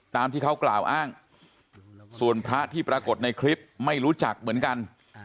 ตามที่เขากล่าวอ้างส่วนพระที่ปรากฏในคลิปไม่รู้จักเหมือนกัน